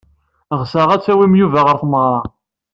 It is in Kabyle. Ɣseɣ ad tawim Yuba ɣer tmeɣra.